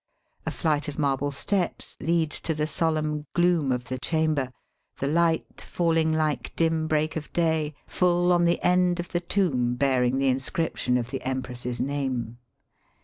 A flight of marble steps leads to the solemn Digitized by VjOOQIC 288 EAST BY WEST. gloom of the chamber, the light falling like dim break of day full on the end of the tomb bearing the inscription of the Empress's name.